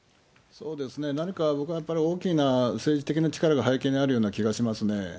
何か僕は、やっぱり大きな政治的な力が背景にあるような気がしますね。